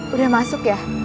udah masuk ya